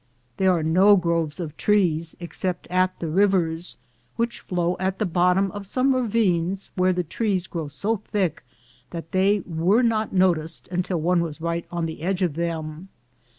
There are no groves of trees except at die rivers, which flow at the bottom of some ravines where the trees grow so thick that they were not noticed until one was right on the edge of them.